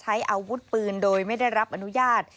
ใช้อาวุธปืนโดยไม่ได้รับอนุญาต